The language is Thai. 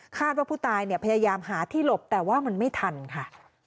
ว่าผู้ตายเนี่ยพยายามหาที่หลบแต่ว่ามันไม่ทันค่ะ